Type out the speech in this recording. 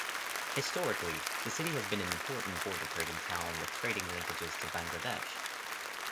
Historically, the city has been an important border-trading town with trading linkages with Bangladesh.